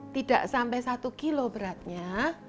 tidak sampai satu kilo beratnya